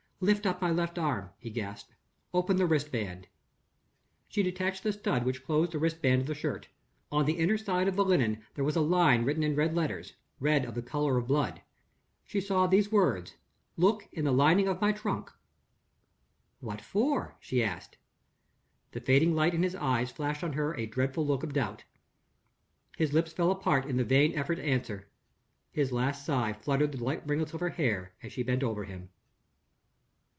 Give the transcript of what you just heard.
"Lift up my left arm," he gasped. "Open the wrist band." She detached the stud which closed the wrist band of the shirt. On the inner side of the linen there was a line written in red letters red of the color of blood. She saw these words: Look in the lining of my trunk. "What for?" she asked. The fading light in his eyes flashed on her a dreadful look of doubt. His lips fell apart in the vain effort to answer. His last sigh fluttered the light ringlets of her hair as she bent over him.